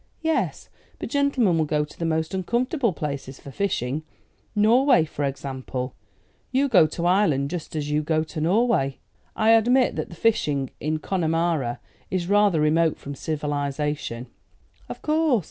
"Yes; but gentlemen will go to the most uncomfortable places for fishing Norway, for example. You go to Ireland just as you go to Norway." "I admit that the fishing in Connemara is rather remote from civilisation " "Of course.